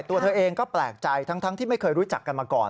ตัวเธอเองก็แปลกใจทั้งที่ไม่เคยรู้จักกันมาก่อน